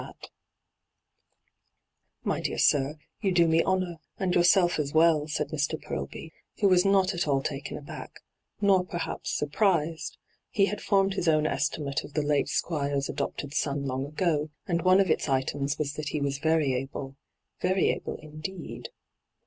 hyGoo>^lc ENTRAPPED 103 ' My dear sir, you do me honour, and your self aa well,' said Mr. Purlby, who was not at all taken abaok, nor perhaps surprised; he had formed his own estiniate of the late Squire's adopted son long ago, and one of its items was that he was very able — very able indeed.